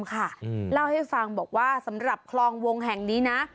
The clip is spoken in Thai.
เล่าให้ฟังบอกว่าสำหรับคลองวงแห่งนี้นะ